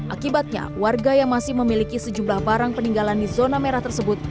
akibatnya warga yang masih memiliki sejumlah barang peninggalan di zona merah tersebut